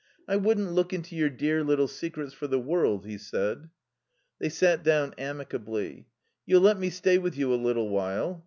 "I wouldn't look into your dear little secrets for the world," he said. They sat down amicably. "You'll let me stay with you a little while?"